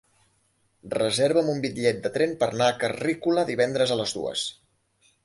Reserva'm un bitllet de tren per anar a Carrícola divendres a les dues.